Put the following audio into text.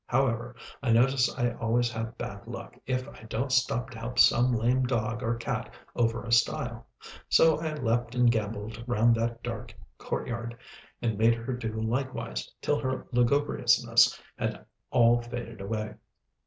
However, I notice I always have bad luck, if I don't stop to help some lame dog or cat over a stile. So I leaped and gambolled round that dark courtyard, and made her do likewise, till her lugubriousness had all faded away.